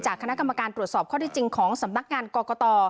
คณะกรรมการตรวจสอบข้อที่จริงของสำนักงานกรกต